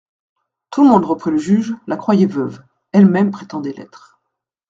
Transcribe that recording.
Tout le monde, reprit le juge, la croyait veuve ; elle-même prétendait l'être.